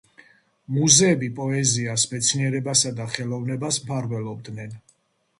მუზები პოეზიას, მეცნიერებასა და ხელოვნებას მფარველობდნენ.